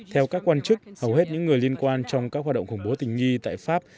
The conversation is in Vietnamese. theo các quan chức hầu hết những người liên quan trong các hoạt động khủng bố tình nghi tại pháp